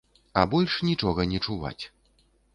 А больш нічога не чуваць.